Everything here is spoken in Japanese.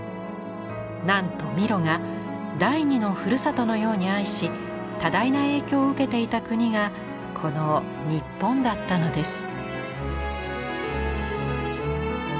なんとミロが第二のふるさとのように愛し多大な影響を受けていた国がこの日本だったのです。